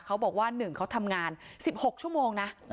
เขาบอกว่า๑เขาทำงาน๑๖ชั่วโมงนะ